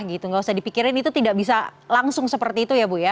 tidak usah dipikirin itu tidak bisa langsung seperti itu ya bu ya